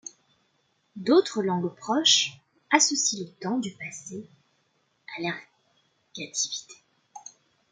D'autres langues proches associent le temps du passé à l'ergativité.